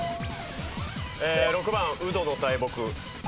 ６番独活の大木。